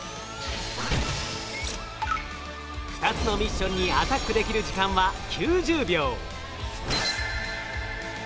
２つのミッションにアタックできる時間は９０秒。